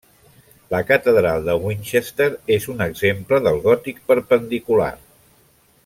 La catedral de Winchester és un exemple del gòtic perpendicular.